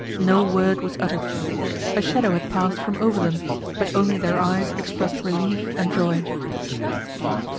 No word was uttered. A shadow had passed from over them, but only their eyes expressed relief and joy.